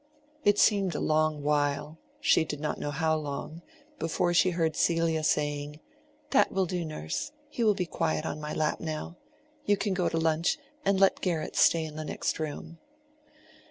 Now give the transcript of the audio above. It seemed a long while—she did not know how long—before she heard Celia saying, "That will do, nurse; he will be quiet on my lap now. You can go to lunch, and let Garratt stay in the next room.